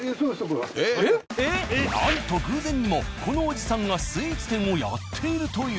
なんと偶然にもこのおじさんがスイーツ店をやっているという。